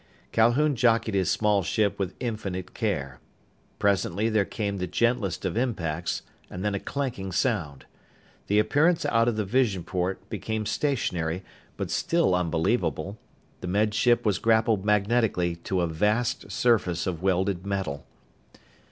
Calhoun jockeyed his small ship with infinite care. Presently there came the gentlest of impacts and then a clanking sound. The appearance out the vision port became stationary, but still unbelievable. The Med Ship was grappled magnetically to a vast surface of welded metal.